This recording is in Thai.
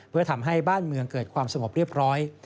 เพื่อทำให้บ้านเมืองเกิดความสงบเรียบร้อย